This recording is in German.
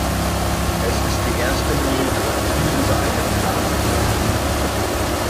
Es ist die erste Monographie über eine Pflanzengattung.